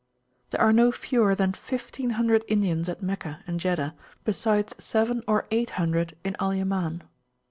There are no fewer than fifteen hundred Indians at Meccah and Jeddah, besides seven or eight hundred in Al Yaman.